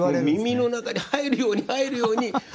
耳の中に入るように入るように。